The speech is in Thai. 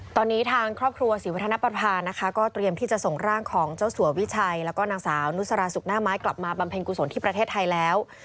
ตอนนี้ทางครอบครัวศรีวัฒนประภานะคะก็เตรียมที่จะส่งร่างของเจ้าสัววิชัยแล้วก็นางสาวนุสราสุกหน้าไม้กลับมาบำเพ็ญกุศลที่ประเทศไทยแล้ว